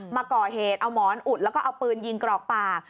มาก่อเหตุเอาหมอนอุดแล้วก็เอาปืนยิงกรอกปาก